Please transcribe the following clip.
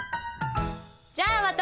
じゃあわ